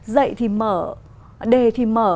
dạy thì mở đề thì mở